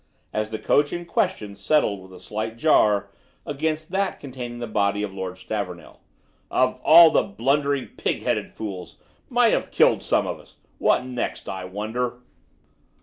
as the coach in question settled with a slight jar against that containing the body of Lord Stavornell. "Of all the blundering, pig headed fools! Might have killed some of us. What next, I wonder?"